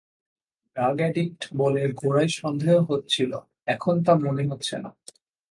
Drug addict বলে গোড়ায় সন্দেহ হচ্ছিল, এখন তা মনে হচ্ছে না।